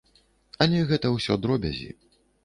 Але гэта ўсё дробязі.